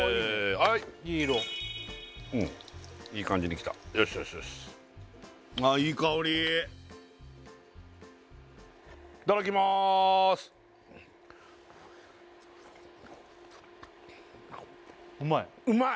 あいい香りいただきますうまい？